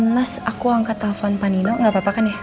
mas aku angkat telepon pak nino gak apa apa kan ya